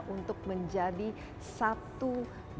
untuk menjadi satu bumn